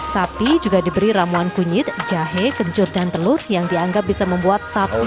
sapi juga diberi ramuan kunyit jahe kencur dan telur yang dianggap bisa membuat sapi